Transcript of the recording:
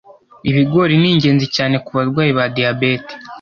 Ibigori ni ingenzi cyane ku barwayi ba diyabete,